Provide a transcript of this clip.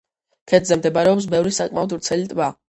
ქედზე მდებარეობს ბევრი საკმაოდ ვრცელი ტბა.